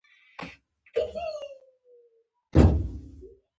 ګیلاس د زړه د تودوخې جام دی.